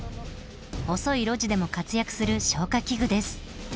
細い路地でも活躍する消火器具です。